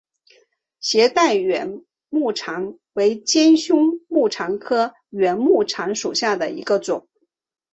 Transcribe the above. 斜带圆沫蝉为尖胸沫蝉科圆沫蝉属下的一个种。